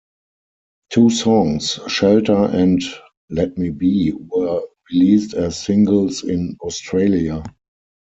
Two songs, "Shelter" and "Let Me Be," were released as singles in Australia.